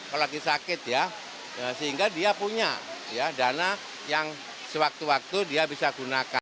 apalagi sakit ya sehingga dia punya dana yang sewaktu waktu dia bisa gunakan